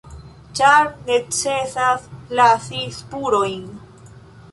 Ĉar necesas lasi spurojn”.